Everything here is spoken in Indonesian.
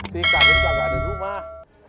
si kardun ga ada di rumah